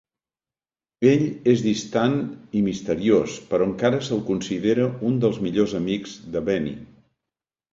Ell és distant i misteriós però encara se'l considera un dels millors amics de Benny.